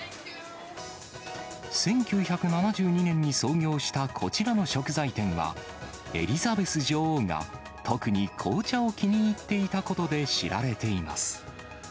１９７２年に創業したこちらの食材店は、エリザベス女王が特に紅茶を気に入っていたことで知られています。